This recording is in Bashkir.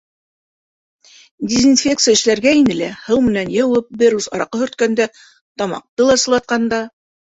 Дезинфекция эшләргә ине лә, һыу менән йыуып, бер ус араҡы һөрткәндә... тамаҡты ла сылатҡанда.